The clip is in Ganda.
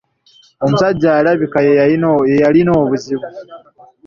Omusajja alabika ye yali alina obuzibu.